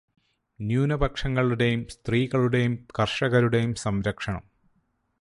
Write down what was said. ന്യൂനപക്ഷങ്ങളുടേയും, സ്ത്രീകളുടെയും, കര്ഷകരുടേയും സംരക്ഷണം